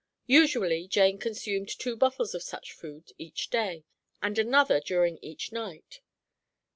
Usually Jane consumed two bottles of such food each day, and another during each night.